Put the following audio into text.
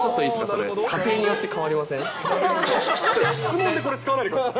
それ、質問でこれ、使わないでください。